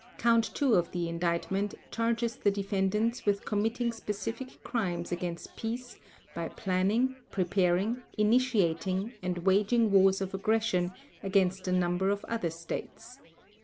Count Two of the Indictment charges the defendants with committing specific crimes against peace by planning, preparing, initiating, and waging wars of aggression against a number of other States.